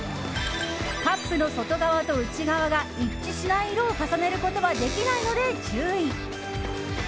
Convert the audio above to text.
カップの外側と内側が一致しない色を重ねることはできないので注意。